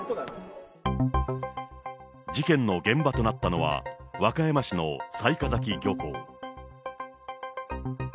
事件の現場となったのは、和歌山市の雑賀崎漁港。